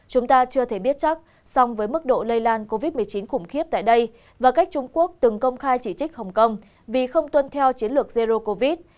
chúng ta chưa thể biết chắc song với mức độ lây lan covid một mươi chín khủng khiếp tại đây và cách trung quốc từng công khai chỉ trích hồng kông vì không tuân theo chiến lược zero covid